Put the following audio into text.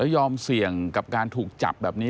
ยอมเสี่ยงกับการถูกจับแบบนี้